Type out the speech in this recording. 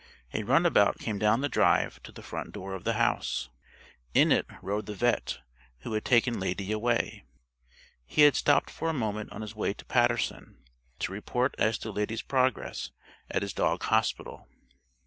A runabout came down the drive to the front door of the house. In it rode the vet' who had taken Lady away. He had stopped for a moment on his way to Paterson, to report as to Lady's progress at his dog hospital.